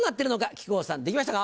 木久扇さんできましたか？